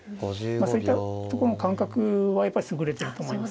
そういったとこの感覚はやっぱり優れてると思いますね。